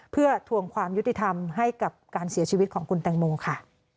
เพื่อทวงความยุติธรรมให้กับการเสียชีวิตของคุณแตงโมค่ะ